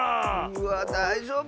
うわだいじょうぶ？